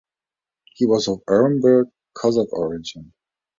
He was of Orenburg Cossack origin.